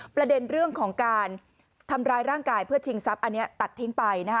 ประเด็นเรื่องของการทำร้ายร่างกายเพื่อชิงทรัพย์อันนี้ตัดทิ้งไปนะคะ